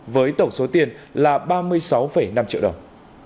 với tổng số tiền là ba mươi sáu năm triệu đồng